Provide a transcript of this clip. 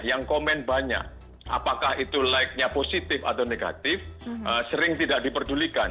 yang komen banyak apakah itu like nya positif atau negatif sering tidak diperdulikan